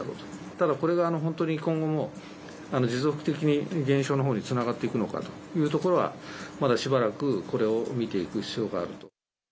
ただ、これが本当に今後も、持続的に減少のほうにつながっていくのかというところは、まだしばらく、これを見ていく必要があると。